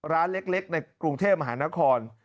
ร้านเล็กในกรุงเทพมหานคร